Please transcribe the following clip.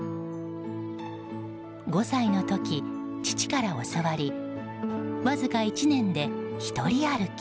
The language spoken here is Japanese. ５歳の時、父から教わりわずか１年で一人歩き。